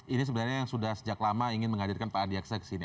ini sebenarnya yang sudah sejak lama ingin menghadirkan pak adiakseks ini